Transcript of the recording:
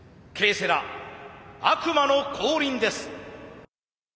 セラ悪魔の降臨です。